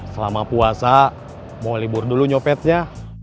selama puasa mau libur dulu nyopetnya